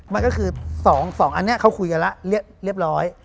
มันก็คือ๒อันนี้เขาคุยกันแล้วเรียบร้อย